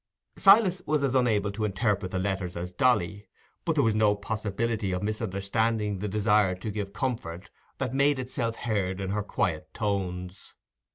Silas was as unable to interpret the letters as Dolly, but there was no possibility of misunderstanding the desire to give comfort that made itself heard in her quiet tones.